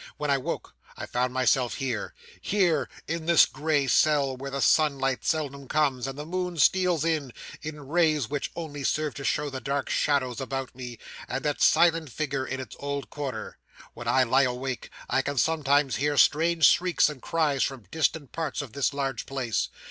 When I woke I found myself here here in this gray cell, where the sunlight seldom comes, and the moon steals in, in rays which only serve to show the dark shadows about me, and that silent figure in its old corner. When I lie awake, I can sometimes hear strange shrieks and cries from distant parts of this large place.